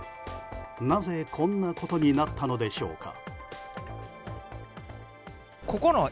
なぜ、こんなことになったのでしょうか。